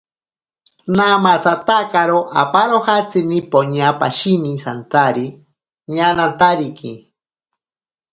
Namatsatakaro aparojatsini, poña pashine santsari nañantariki.